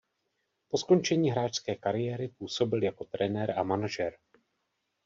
Po skončení hráčské kariéry působil jako trenér a manažer.